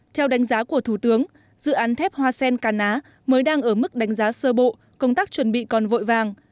theo đánh giá của thủ tướng dự án thép hoa sen cà ná mới đang ở mức đánh giá sơ bộ công tác chuẩn bị còn vội vàng